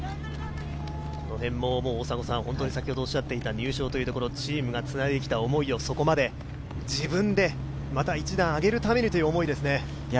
この辺も入賞というところ、チームがつないできた思いをそこまで、自分で、また一段上げるためにという思いですね。